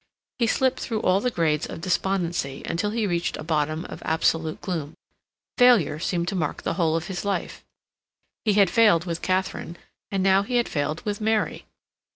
He slipped through all the grades of despondency until he reached a bottom of absolute gloom. Failure seemed to mark the whole of his life; he had failed with Katharine, and now he had failed with Mary.